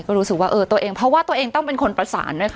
ก็รู้สึกว่าเออตัวเองเพราะว่าตัวเองต้องเป็นคนประสานด้วยค่ะ